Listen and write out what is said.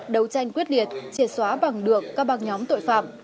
đấu tranh quyết liệt triệt xóa bằng được các băng nhóm tội phạm